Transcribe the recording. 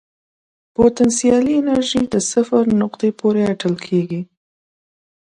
پوتنسیالي انرژي د صفر نقطې پورې اټکل کېږي.